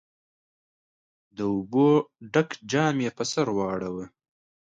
د اوبو ډک جام يې پر سر واړاوه.